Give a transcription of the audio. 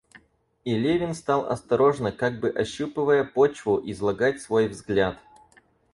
И Левин стал осторожно, как бы ощупывая почву, излагать свой взгляд.